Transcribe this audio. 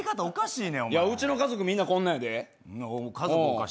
うちの家族みんなこんなやで。